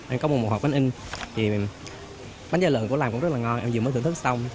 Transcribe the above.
em có một hộp bánh in thì bánh dao lợn cô làm cũng rất là ngon em vừa mới thưởng thức xong